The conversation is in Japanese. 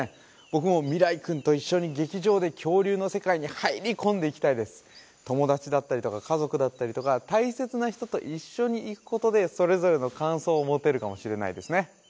僕もみらい君と一緒に劇場で恐竜の世界に入り込んでいきたいです友達だったりとか家族だったりとか大切な人と一緒に行くことでそれぞれの感想を持てるかもしれないですね